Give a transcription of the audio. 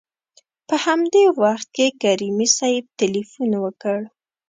په همدې وخت کې کریمي صیب تلېفون وکړ.